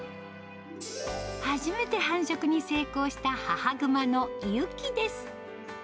初めて繁殖に成功した母グマのユキです。